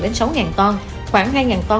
năm đến sáu con khoảng hai con